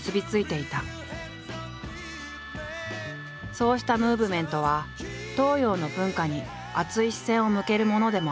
そうしたムーブメントは東洋の文化に熱い視線を向けるものでもあった。